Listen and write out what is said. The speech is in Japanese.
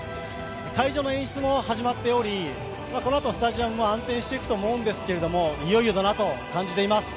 会場の演出も始まっておりこのあとスタジアムも暗転していくと思うんですけれども、いよいよだなと感じています。